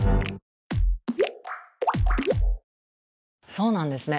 そうなんですね。